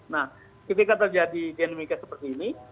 nah ketika terjadi dynamic nya seperti ini